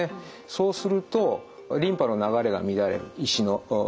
そうするとリンパの流れが乱れる石の影響でですね。